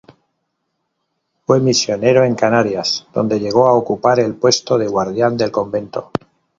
Fue misionero en Canarias donde llegó a ocupar el puesto de guardián del convento.